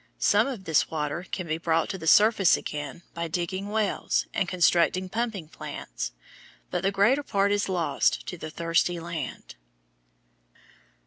Some of this water can be brought to the surface again by digging wells and constructing pumping plants, but the greater part is lost to the thirsty land.